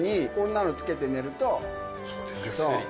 ぐっすり。